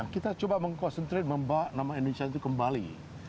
kita coba mengkonsentrasi membawa nama indonesia itu kembali